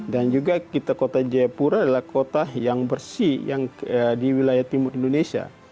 dan juga kota jayapura adalah kota yang bersih di wilayah timur indonesia